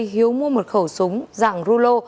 hiếu mua một khẩu súng dạng rulo